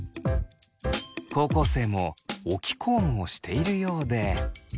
高校生も置きコームをしているようで。